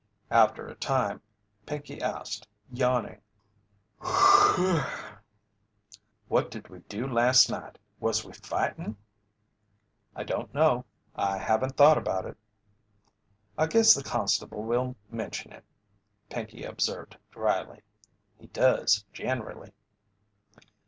After a time Pinkey asked, yawning: "What did we do last night? Was we fightin'?" "I don't know I haven't thought about it." "I guess the constable will mention it," Pinkey observed, drily. "He does, generally."